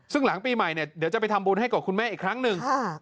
ซึ่งหลังปีใหม่เนี่ยเดี๋ยวจะไปทำบุญให้กับคุณแม่อีกครั้งหนึ่ง